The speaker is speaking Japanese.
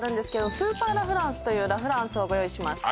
スーパーラ・フランスというラ・フランスをご用意しました